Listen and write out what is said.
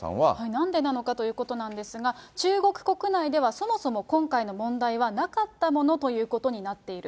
なんでなのかということなんですが、中国国内では、そもそも今回の問題はなかったものということになっている。